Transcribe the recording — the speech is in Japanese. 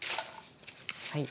はい。